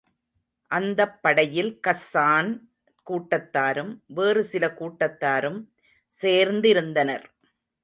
அந்தப் படையில் கஸ்ஸான் கூட்டத்தாரும், வேறு சில கூட்டத்தாரும் சேர்ந்திருந்தனர்.